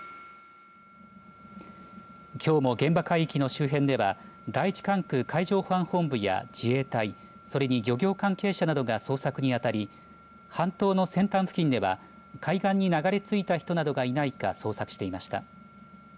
きょうも現場海域の周辺では第１管区海上保安本部や自衛隊それに漁業関係者などが捜索に当たり半島の先端付近では海岸に流れ着いた人などがいないか捜索していました。